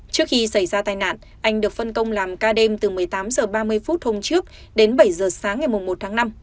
trước khi xảy ra tai nạn anh được phân công làm ca đêm từ một mươi tám h ba mươi phút hôm trước đến bảy h sáng ngày một tháng năm